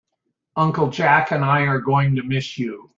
Uncle Jack and I are going to miss you.